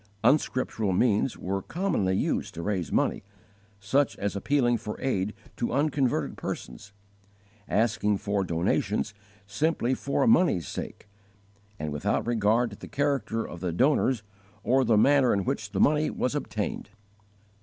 Unscriptural means were commonly used to raise money, such as appealing for aid to unconverted persons, asking for donations simply for money's sake and without regard to the character of the donors or the manner in which the money was obtained.